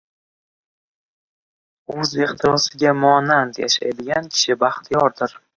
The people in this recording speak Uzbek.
O‘z ehtirosiga monand yashaydigan kishi baxtiyordir